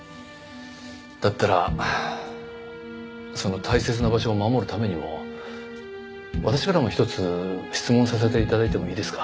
だったらその大切な場所を守るためにも私からも一つ質問させて頂いてもいいですか？